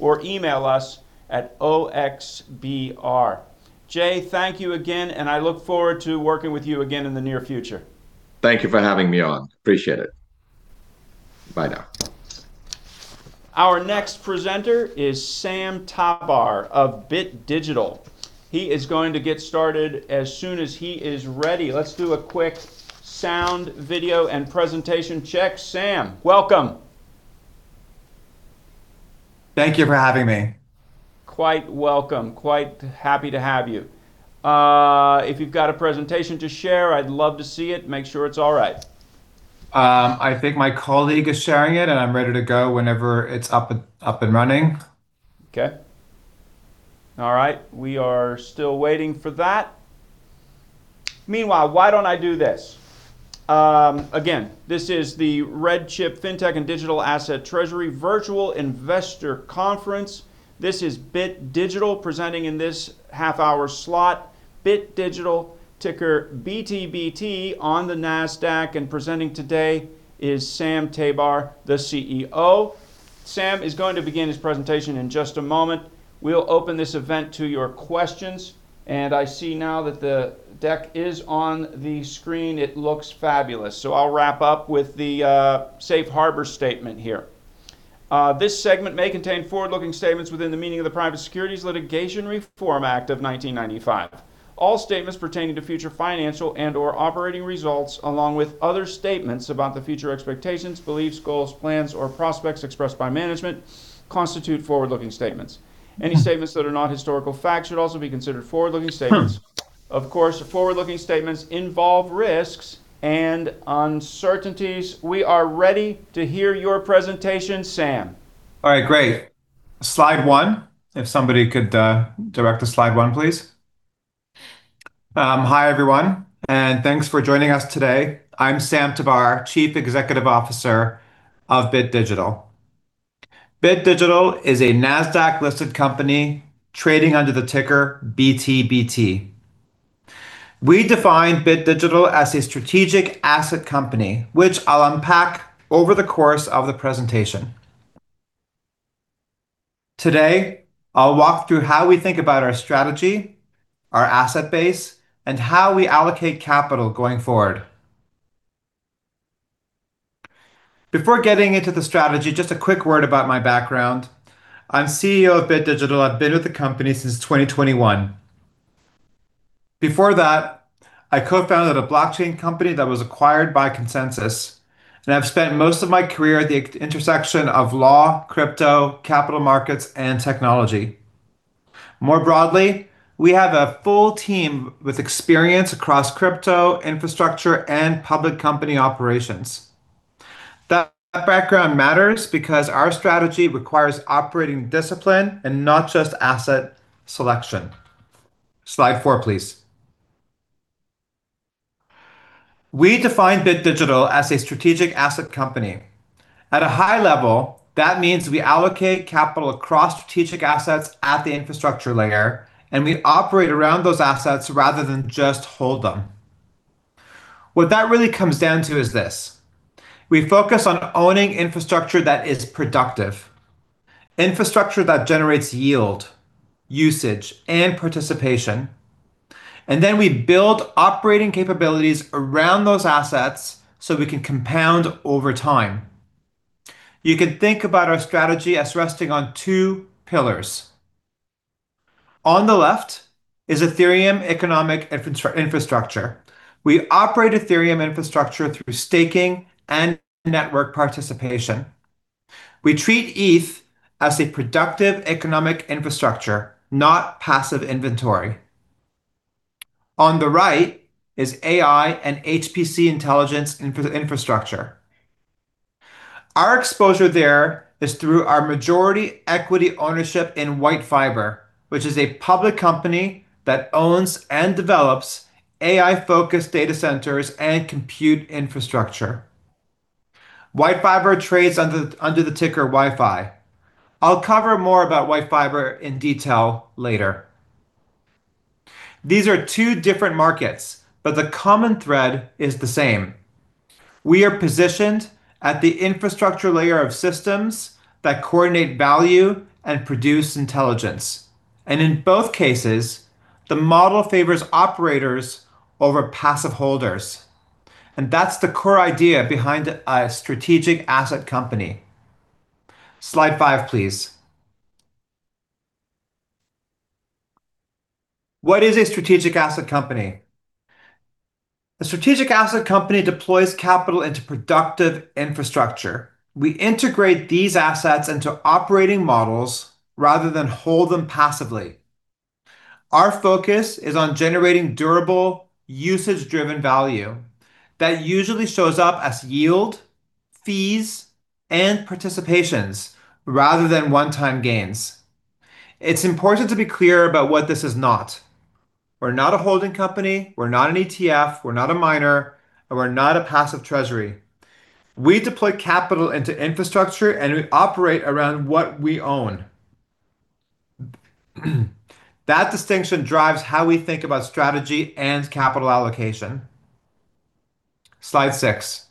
Or email us at OXBR. Jay, thank you again, and I look forward to working with you again in the near future. Thank you for having me on. Appreciate it. Bye now. Our next presenter is Sam Tabar of Bit Digital. He is going to get started as soon as he is ready. Let's do a quick sound, video, and presentation check. Sam, welcome. Thank you for having me. Quite welcome. Quite happy to have you. If you've got a presentation to share, I'd love to see it. Make sure it's all right. I think my colleague is sharing it, and I'm ready to go whenever it's up and running. Okay. All right, we are still waiting for that. Meanwhile, why don't I do this? Again, this is the RedChip Fintech and Digital Asset Treasury Virtual Investor Conference. This is Bit Digital presenting in this half-hour slot. Bit Digital, ticker BTBT on the NASDAQ, and presenting today is Sam Tabar, the CEO. Sam is going to begin his presentation in just a moment. We'll open this event to your questions. I see now that the deck is on the screen. It looks fabulous. I'll wrap up with the safe harbor statement here. This segment may contain forward-looking statements within the meaning of the Private Securities Litigation Reform Act of 1995. All statements pertaining to future financial and/or operating results, along with other statements about the future expectations, beliefs, goals, plans, or prospects expressed by management, constitute forward-looking statements. Any statements that are not historical facts should also be considered forward-looking statements. Of course, forward-looking statements involve risks and uncertainties. We are ready to hear your presentation, Sam. All right, great. Slide one, if somebody could, direct to slide one, please. Hi everyone, and thanks for joining us today. I'm Sam Tabar, Chief Executive Officer of Bit Digital. Bit Digital is a NASDAQ-listed company trading under the ticker BTBT. We define Bit Digital as a strategic asset company, which I'll unpack over the course of the presentation. Today, I'll walk through how we think about our strategy, our asset base, and how we allocate capital going forward. Before getting into the strategy, just a quick word about my background. I'm CEO of Bit Digital. I've been with the company since 2021. Before that, I co-founded a blockchain company that was acquired by Consensys, and I've spent most of my career at the intersection of law, crypto, capital markets, and technology. More broadly, we have a full team with experience across crypto, infrastructure, and public company operations. That background matters because our strategy requires operating discipline and not just asset selection. Slide four, please. We define Bit Digital as a strategic asset company. At a high level, that means we allocate capital across strategic assets at the infrastructure layer, and we operate around those assets rather than just hold them. What that really comes down to is this: we focus on owning infrastructure that is productive, infrastructure that generates yield, usage, and participation, and then we build operating capabilities around those assets so we can compound over time. You can think about our strategy as resting on two pillars. On the left is Ethereum economic infrastructure. We operate Ethereum infrastructure through staking and network participation. We treat ETH as a productive economic infrastructure, not passive inventory. On the right is AI and HPC intelligence infrastructure. Our exposure there is through our majority equity ownership in WhiteFiber, which is a public company that owns and develops AI-focused data centers and compute infrastructure. WhiteFiber trades under the ticker WYFI. I'll cover more about WhiteFiber in detail later. These are two different markets, but the common thread is the same. We are positioned at the infrastructure layer of systems that coordinate value and produce intelligence. And in both cases, the model favors operators over passive holders. And that's the core idea behind a strategic asset company. Slide five, please. What is a strategic asset company? A strategic asset company deploys capital into productive infrastructure. We integrate these assets into operating models rather than hold them passively. Our focus is on generating durable, usage-driven value that usually shows up as yield, fees, and participations rather than one-time gains. It's important to be clear about what this is not. We're not a holding company. We're not an ETF. We're not a miner. We're not a passive treasury. We deploy capital into infrastructure, and we operate around what we own. That distinction drives how we think about strategy and capital allocation. Slide six.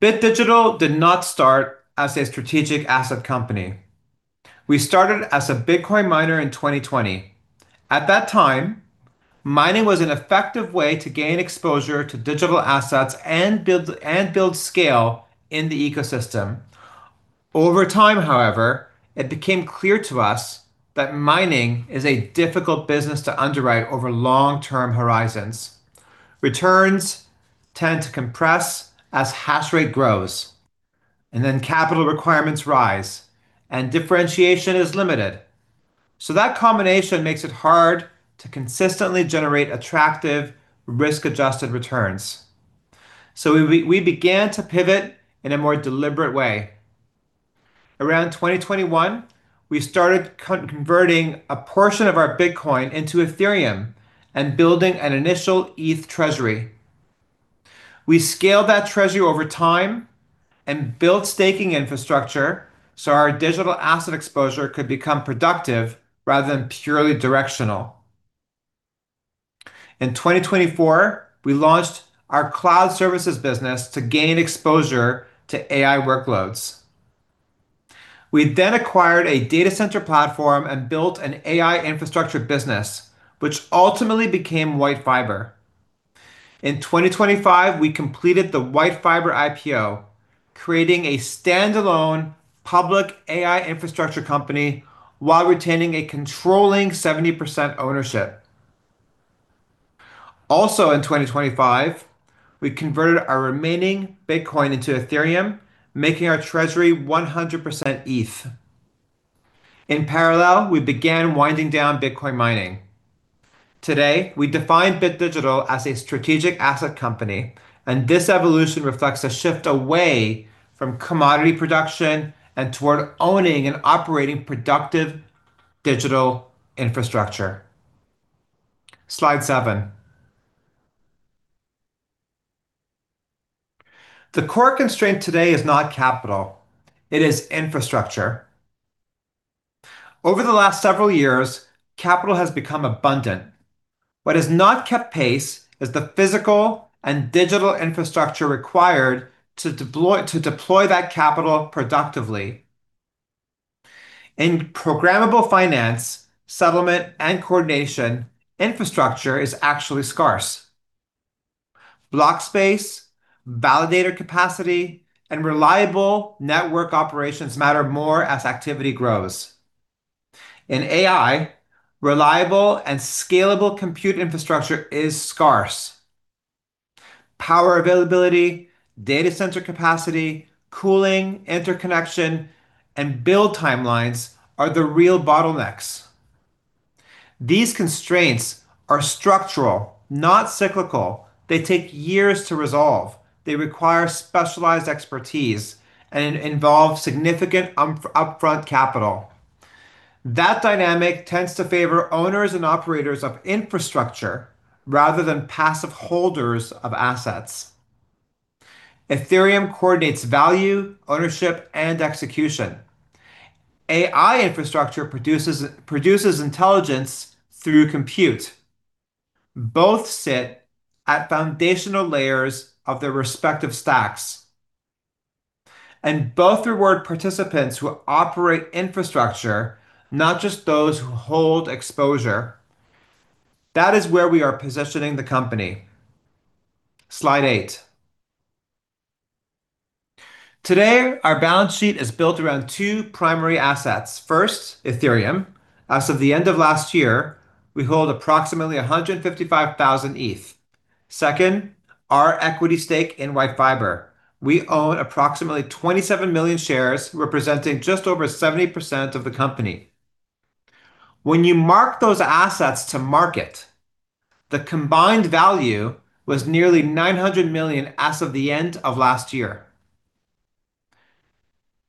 Bit Digital did not start as a strategic asset company. We started as a Bitcoin miner in 2020. At that time, mining was an effective way to gain exposure to digital assets and build scale in the ecosystem. Over time, however, it became clear to us that mining is a difficult business to underwrite over long-term horizons. Returns tend to compress as hash rate grows, and then capital requirements rise, and differentiation is limited. So that combination makes it hard to consistently generate attractive, risk-adjusted returns. So we began to pivot in a more deliberate way. Around 2021, we started converting a portion of our Bitcoin into Ethereum and building an initial ETH treasury. We scaled that treasury over time and built staking infrastructure so our digital asset exposure could become productive rather than purely directional. In 2024, we launched our cloud services business to gain exposure to AI workloads. We then acquired a data center platform and built an AI infrastructure business, which ultimately became WhiteFiber. In 2025, we completed the WhiteFiber IPO, creating a standalone public AI infrastructure company while retaining a controlling 70% ownership. Also in 2025, we converted our remaining Bitcoin into Ethereum, making our treasury 100% ETH. In parallel, we began winding down Bitcoin mining. Today, we define Bit Digital as a strategic asset company, and this evolution reflects a shift away from commodity production and toward owning and operating productive digital infrastructure. Slide seven. The core constraint today is not capital. It is infrastructure. Over the last several years, capital has become abundant. What has not kept pace is the physical and digital infrastructure required to deploy that capital productively. In programmable finance, settlement, and coordination, infrastructure is actually scarce. Blockspace, validator capacity, and reliable network operations matter more as activity grows. In AI, reliable and scalable compute infrastructure is scarce. Power availability, data center capacity, cooling, interconnection, and build timelines are the real bottlenecks. These constraints are structural, not cyclical. They take years to resolve. They require specialized expertise and involve significant upfront capital. That dynamic tends to favor owners and operators of infrastructure rather than passive holders of assets. Ethereum coordinates value, ownership, and execution. AI infrastructure produces intelligence through compute. Both sit at foundational layers of their respective stacks, and both reward participants who operate infrastructure, not just those who hold exposure. That is where we are positioning the company. Slide eight. Today, our balance sheet is built around two primary assets. First, Ethereum. As of the end of last year, we hold approximately 155,000 ETH. Second, our equity stake in WhiteFiber. We own approximately 27 million shares, representing just over 70% of the company. When you mark those assets to market, the combined value was nearly $900 million as of the end of last year.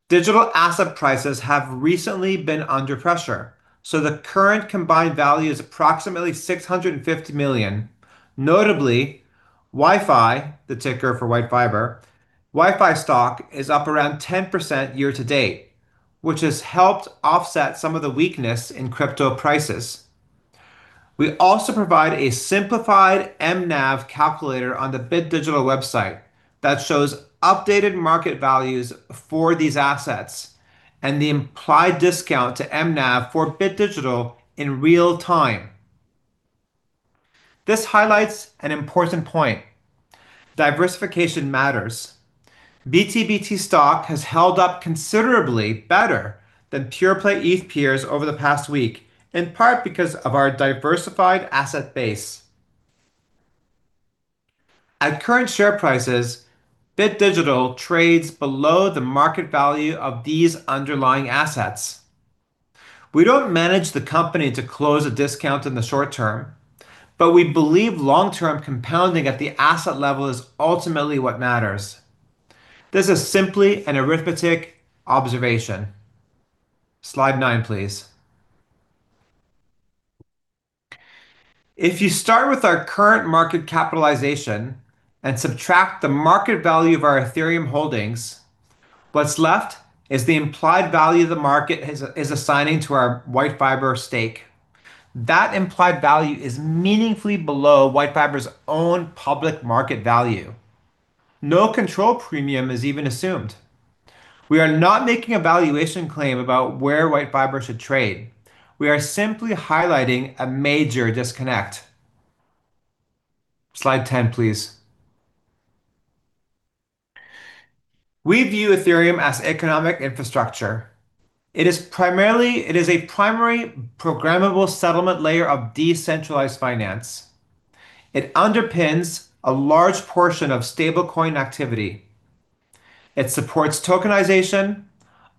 Digital asset prices have recently been under pressure, so the current combined value is approximately $650 million. Notably, WYFI, the ticker for WhiteFiber, WYFI stock is up around 10% year-to-date, which has helped offset some of the weakness in crypto prices. We also provide a simplified MNAV calculator on the Bit Digital website that shows updated market values for these assets and the implied discount to MNAV for Bit Digital in real time. This highlights an important point: diversification matters. BTBT stock has held up considerably better than pure-play ETH peers over the past week, in part because of our diversified asset base. At current share prices, Bit Digital trades below the market value of these underlying assets. We don't manage the company to close a discount in the short term, but we believe long-term compounding at the asset level is ultimately what matters. This is simply an arithmetic observation. Slide nine, please. If you start with our current market capitalization and subtract the market value of our Ethereum holdings, what's left is the implied value the market is assigning to our WhiteFiber stake. That implied value is meaningfully below WhiteFiber's own public market value. No control premium is even assumed. We are not making a valuation claim about where WhiteFiber should trade. We are simply highlighting a major disconnect. Slide 10, please. We view Ethereum as economic infrastructure. It is a primary programmable settlement layer of decentralized finance. It underpins a large portion of stablecoin activity. It supports tokenization,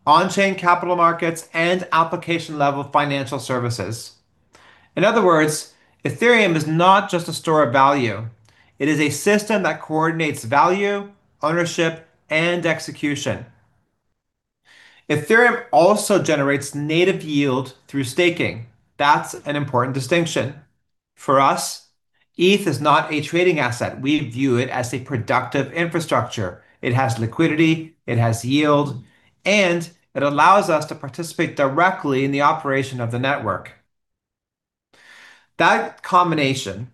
on-chain capital markets, and application-level financial services. In other words, Ethereum is not just a store of value. It is a system that coordinates value, ownership, and execution. Ethereum also generates native yield through staking. That's an important distinction. For us, ETH is not a trading asset. We view it as a productive infrastructure. It has liquidity. It has yield. And it allows us to participate directly in the operation of the network. That combination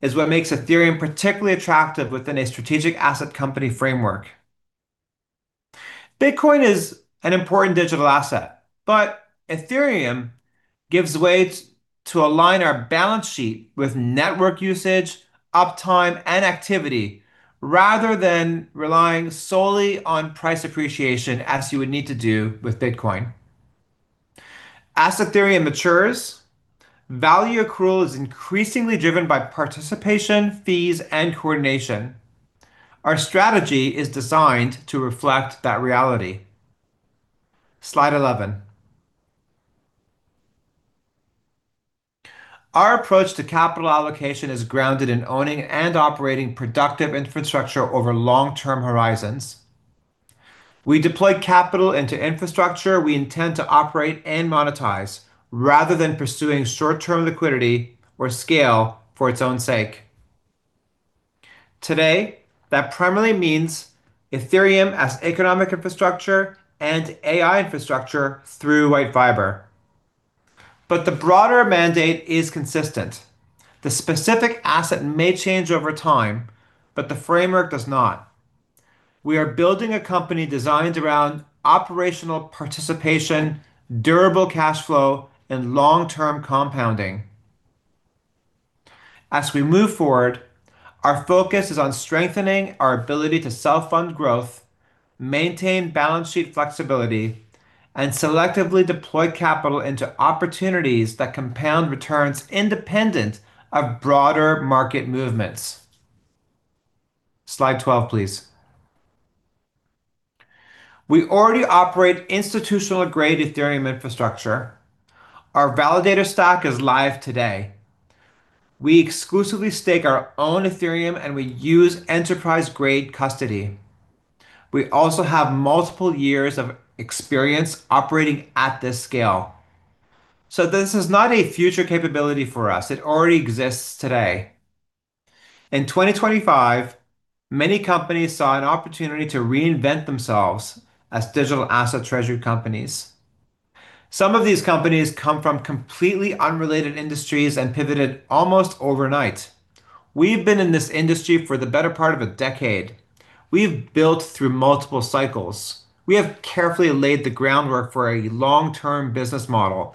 is what makes Ethereum particularly attractive within a strategic asset company framework. Bitcoin is an important digital asset, yet Ethereum gives ways to align our balance sheet with network usage, uptime, and activity rather than relying solely on price appreciation as you would need to do with Bitcoin. As Ethereum matures, value accrual is increasingly driven by participation, fees, and coordination. Our strategy is designed to reflect that reality. Slide 11. Our approach to capital allocation is grounded in owning and operating productive infrastructure over long-term horizons. We deploy capital into infrastructure we intend to operate and monetize rather than pursuing short-term liquidity or scale for its own sake. Today, that primarily means Ethereum as economic infrastructure and AI infrastructure through WhiteFiber. The broader mandate is consistent. The specific asset may change over time, but the framework does not. We are building a company designed around operational participation, durable cash flow, and long-term compounding. As we move forward, our focus is on strengthening our ability to self-fund growth, maintain balance sheet flexibility, and selectively deploy capital into opportunities that compound returns independent of broader market movements. Slide 12, please. We already operate institutional-grade Ethereum infrastructure. Our validator stock is live today. We exclusively stake our own Ethereum, and we use enterprise-grade custody. We also have multiple years of experience operating at this scale. This is not a future capability for us. It already exists today. In 2025, many companies saw an opportunity to reinvent themselves as digital asset treasury companies. Some of these companies come from completely unrelated industries and pivoted almost overnight. We've been in this industry for the better part of a decade. We've built through multiple cycles. We have carefully laid the groundwork for a long-term business model,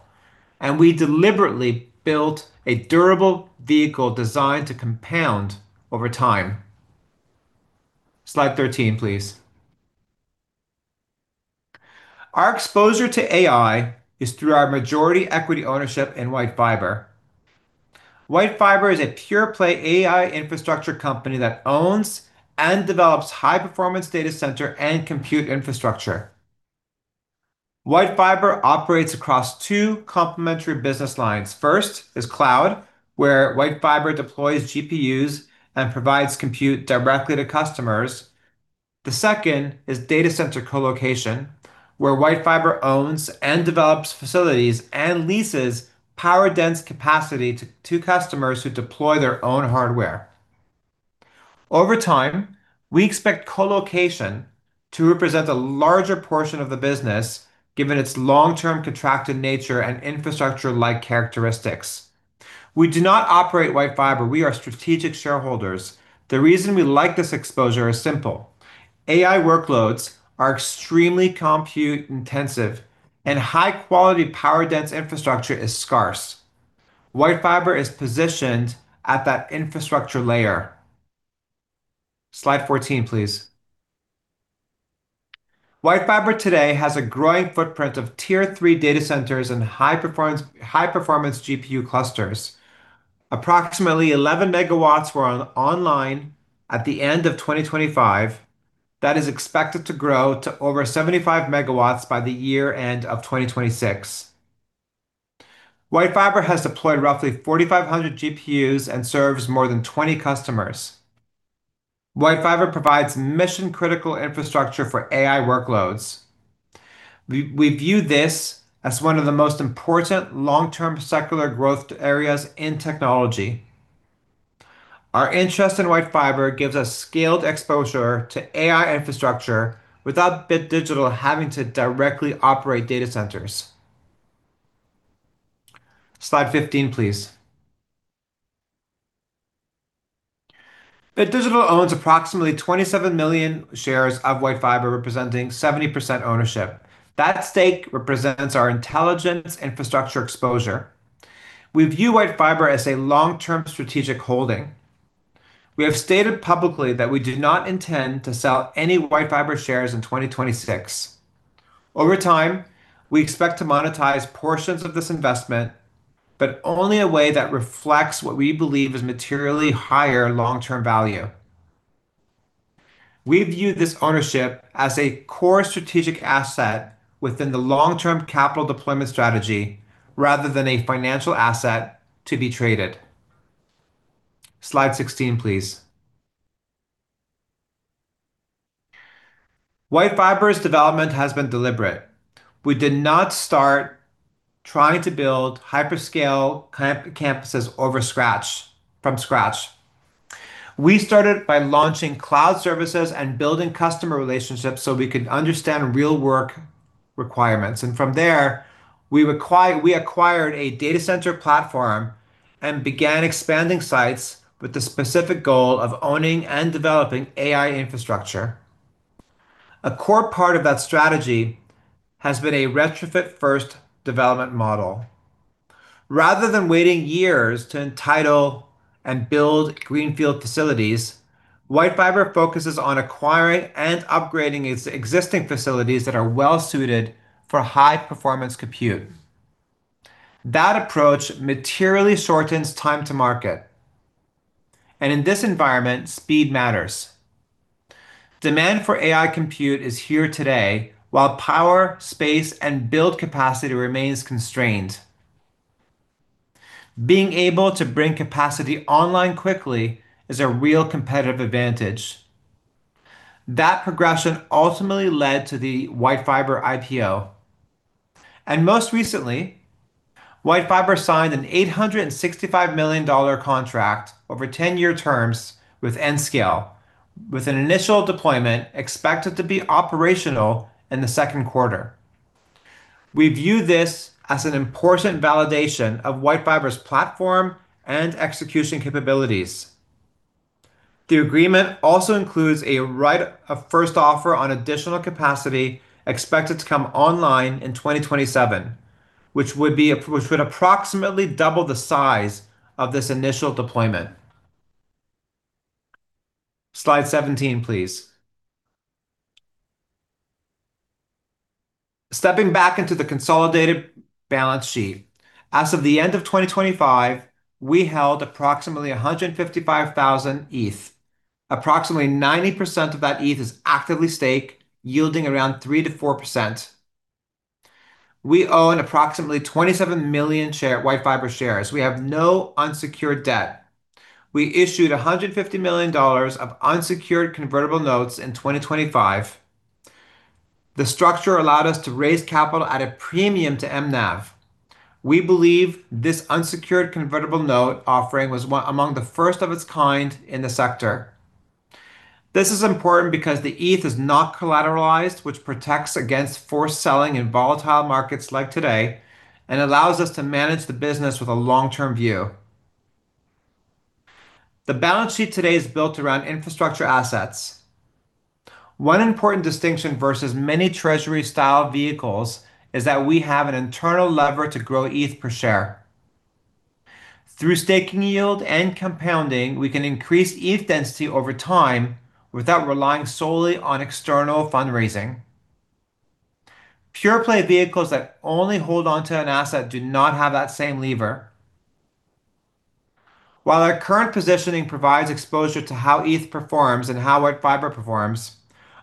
and we deliberately built a durable vehicle designed to compound over time. Slide 13, please. Our exposure to AI is through our majority equity ownership in WhiteFiber. WhiteFiber is a pureplay AI infrastructure company that owns and develops high-performance data center and compute infrastructure. WhiteFiber operates across two complementary business lines. First is cloud, where WhiteFiber deploys GPUs and provides compute directly to customers. The second is data center colocation, where WhiteFiber owns and develops facilities and leases power-dense capacity to customers who deploy their own hardware. Over time, we expect colocation to represent a larger portion of the business given its long-term contracted nature and infrastructure-like characteristics. We do not operate WhiteFiber. We are strategic shareholders. The reason we like this exposure is simple. AI workloads are extremely compute-intensive, and high-quality power-dense infrastructure is scarce. WhiteFiber is positioned at that infrastructure layer. Slide 14, please. WhiteFiber today has a growing footprint of Tier III data centers and high-performance GPU clusters. Approximately 11 MW were online at the end of 2025. That is expected to grow to over 75 MW by the year-end of 2026. WhiteFiber has deployed roughly 4,500 GPUs and serves more than 20 customers. WhiteFiber provides mission-critical infrastructure for AI workloads. We view this as one of the most important long-term secular growth areas in technology. Our interest in WhiteFiber gives us scaled exposure to AI infrastructure without Bit Digital having to directly operate data centers. Slide 15, please. Bit Digital owns approximately 27 million shares of WhiteFiber, representing 70% ownership. That stake represents our intelligence infrastructure exposure. We view WhiteFiber as a long-term strategic holding. We have stated publicly that we do not intend to sell any WhiteFiber shares in 2026. Over time, we expect to monetize portions of this investment, but only in a way that reflects what we believe is materially higher long-term value. We view this ownership as a core strategic asset within the long-term capital deployment strategy rather than a financial asset to be traded. Slide 16, please. WhiteFiber's development has been deliberate. We did not start trying to build hyperscale campuses from scratch. We started by launching cloud services and building customer relationships so we could understand real-world requirements. From there, we acquired a data center platform and began expanding sites with the specific goal of owning and developing AI infrastructure. A core part of that strategy has been a retrofit-first development model. Rather than waiting years to entitle and build greenfield facilities, WhiteFiber focuses on acquiring and upgrading its existing facilities that are well-suited for high-performance compute. That approach materially shortens time to market. And in this environment, speed matters. Demand for AI compute is here today, while power, space, and build capacity remains constrained. Being able to bring capacity online quickly is a real competitive advantage. That progression ultimately led to the WhiteFiber IPO. And most recently, WhiteFiber signed an $865 million contract over 10-year terms with Nscale, with an initial deployment expected to be operational in the second quarter. We view this as an important validation of WhiteFiber's platform and execution capabilities. The agreement also includes a first offer on additional capacity expected to come online in 2027, which would approximately double the size of this initial deployment. Slide 17, please. Stepping back into the consolidated balance sheet, as of the end of 2025, we held approximately 155,000 ETH. Approximately 90% of that ETH is actively staked, yielding around 3%-4%. We own approximately 27 million WhiteFiber shares. We have no unsecured debt. We issued $150 million of unsecured convertible notes in 2025. The structure allowed us to raise capital at a premium to MNAV. We believe this unsecured convertible note offering was among the first of its kind in the sector. This is important because the ETH is not collateralized, which protects against forced selling in volatile markets like today and allows us to manage the business with a long-term view. The balance sheet today is built around infrastructure assets. One important distinction versus many treasury-style vehicles is that we have an internal lever to grow ETH per share. Through staking yield and compounding, we can increase ETH density over time without relying solely on external fundraising. Pureplay vehicles that only hold onto an asset do not have that same lever. While our current positioning provides exposure to how ETH performs and how WhiteFiber performs,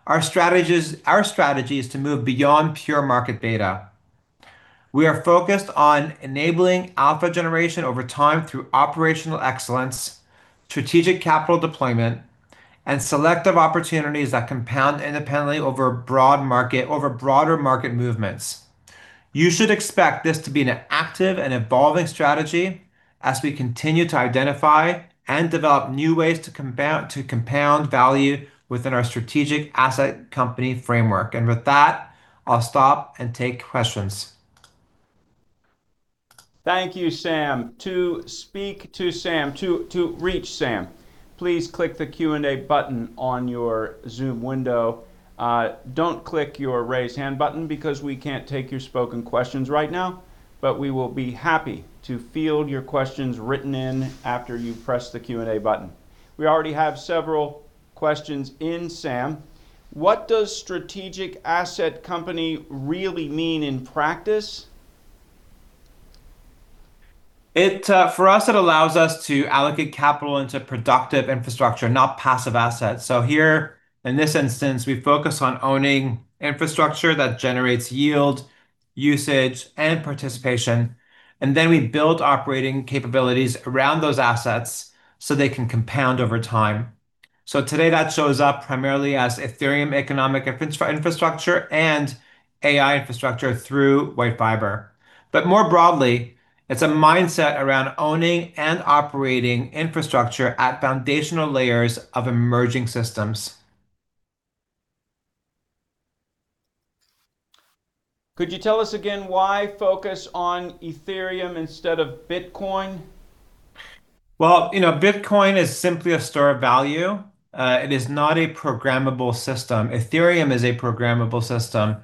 our strategy is to move beyond pure market beta. We are focused on enabling alpha generation over time through operational excellence, strategic capital deployment, and selective opportunities that compound independently over broader market movements. You should expect this to be an active and evolving strategy as we continue to identify and develop new ways to compound value within our strategic asset company framework. With that, I'll stop and take questions. Thank you, Sam. To reach Sam, please click the Q&A button on your Zoom window. Don't click your raise hand button because we can't take your spoken questions right now, but we will be happy to field your questions written in after you press the Q&A button. We already have several questions in. Sam, what does strategic asset company really mean in practice? For us, it allows us to allocate capital into productive infrastructure, not passive assets. Here in this instance, we focus on owning infrastructure that generates yield, usage, and participation. We build operating capabilities around those assets so they can compound over time. Today that shows up primarily as Ethereum economic infrastructure and AI infrastructure through WhiteFiber. More broadly, it's a mindset around owning and operating infrastructure at foundational layers of emerging systems. Could you tell us again why focus on Ethereum instead of Bitcoin? Well, Bitcoin is simply a store of value. It is not a programmable system. Ethereum is a programmable system.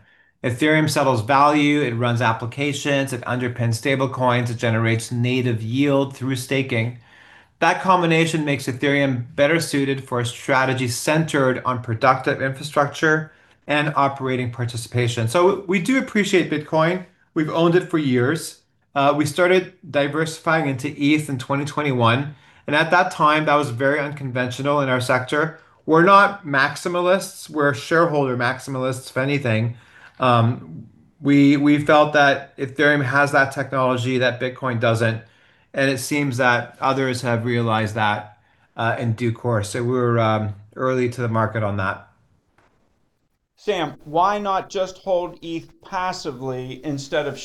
Ethereum settles value. It runs applications. It underpins stablecoins. It generates native yield through staking. That combination makes Ethereum better suited for a strategy centered on productive infrastructure and operating participation. So we do appreciate Bitcoin. We've owned it for years. We started diversifying into ETH in 2021. And at that time, that was very unconventional in our sector. We're not maximalists. We're shareholder maximalists, if anything. We felt that Ethereum has that technology that Bitcoin doesn't. And it seems that others have realized that in due course. So we were early to the market on that. Sam, why not just hold ETH passively instead of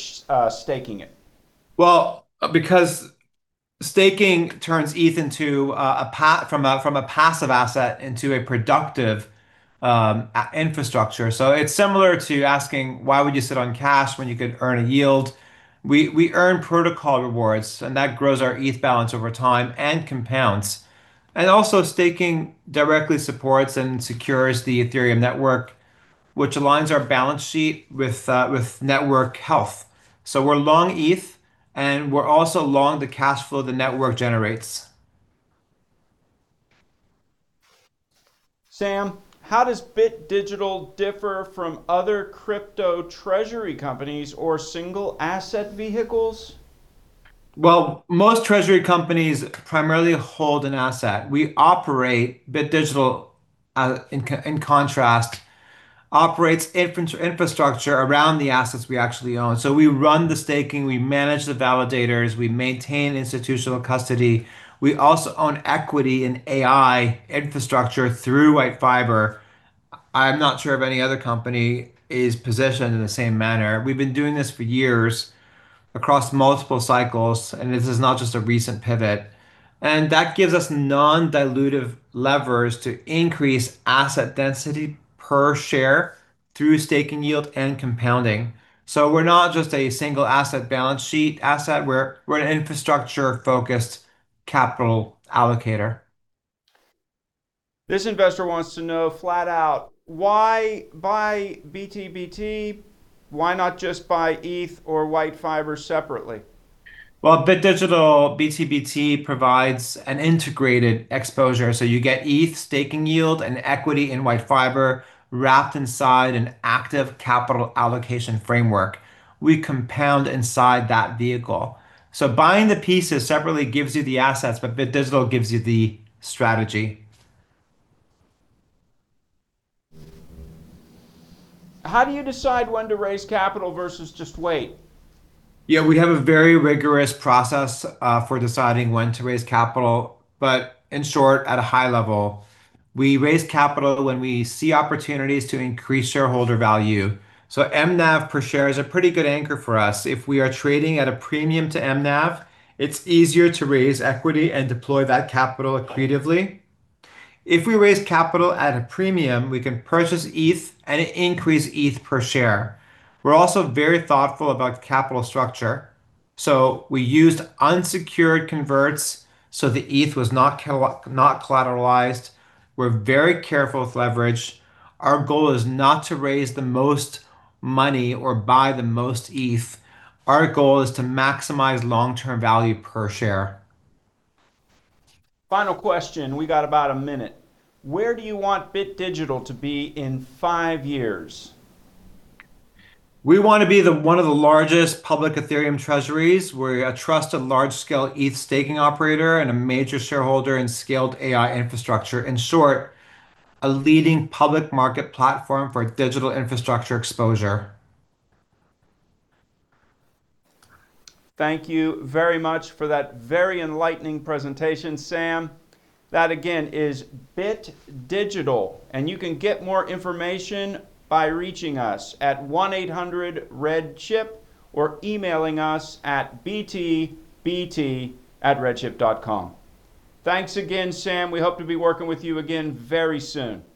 staking it? Well, because staking turns ETH from a passive asset into a productive infrastructure. So it's similar to asking, "Why would you sit on cash when you could earn a yield?" We earn protocol rewards, and that grows our ETH balance over time and compounds. And also, staking directly supports and secures the Ethereum network, which aligns our balance sheet with network health. So we're long ETH, and we're also long the cash flow the network generates. Sam, how does Bit Digital differ from other crypto treasury companies or single asset vehicles? Well, most treasury companies primarily hold an asset. Bit Digital, in contrast, operates infrastructure around the assets we actually own. So we run the staking. We manage the validators. We maintain institutional custody. We also own equity in AI infrastructure through WhiteFiber. I'm not sure if any other company is positioned in the same manner. We've been doing this for years across multiple cycles, and this is not just a recent pivot. And that gives us non-dilutive levers to increase asset density per share through staking yield and compounding. So we're not just a single asset balance sheet asset. We're an infrastructure-focused capital allocator. This investor wants to know flat out, why buy BTBT? Why not just buy ETH or WhiteFiber separately? Well, Bit Digital BTBT provides an integrated exposure. So you get ETH, staking yield, and equity in WhiteFiber wrapped inside an active capital allocation framework. We compound inside that vehicle. So buying the pieces separately gives you the assets, but Bit Digital gives you the strategy. How do you decide when to raise capital versus just wait? Yeah, we have a very rigorous process for deciding when to raise capital. But in short, at a high level, we raise capital when we see opportunities to increase shareholder value. So MNAV per share is a pretty good anchor for us. If we are trading at a premium to MNAV, it's easier to raise equity and deploy that capital creatively. If we raise capital at a premium, we can purchase ETH and increase ETH per share. We're also very thoughtful about capital structure. So we used unsecured converts so the ETH was not collateralized. We're very careful with leverage. Our goal is not to raise the most money or buy the most ETH. Our goal is to maximize long-term value per share. Final question. We got about a minute. Where do you want Bit Digital to be in five years? We want to be one of the largest public Ethereum treasuries. We're a trusted large-scale ETH staking operator and a major shareholder in scaled AI infrastructure. In short, a leading public market platform for digital infrastructure exposure. Thank you very much for that very enlightening presentation, Sam. That, again, is Bit Digital. You can get more information by reaching us at 1-800-REDCHIP or emailing us at btbt@redchip.com. Thanks again, Sam. We hope to be working with you again very soon. Thank you.